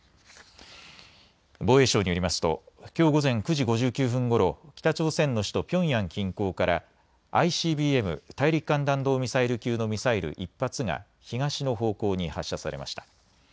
防衛省によりますときょう午前９時５９分ごろ、北朝鮮の首都ピョンヤン近郊からＩＣＢＭ・大陸間弾道ミサイル級のミサイル１発が東の方向に発射されました。